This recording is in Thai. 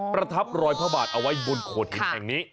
ประทับรอยพระบาทเอาไว้บนโขดหินแห่งนี้